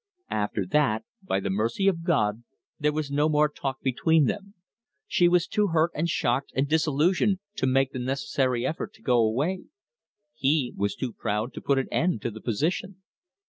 After that, by the mercy of God, there was no more talk between them. She was too hurt and shocked and disillusioned to make the necessary effort to go away. He was too proud to put an end to the position.